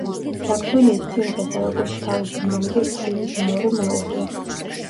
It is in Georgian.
საქსონიის პრინცესა როგორც თავისი მამიდის ქვრივის მეორე მეუღლე.